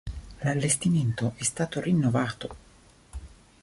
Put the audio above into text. L'allestimento è stato rinnovato.